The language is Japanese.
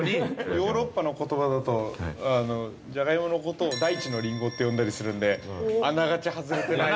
◆ヨーロッパの言葉だと、じゃがいものことを大地のリンゴって呼んだりするんで、あながち外れてない。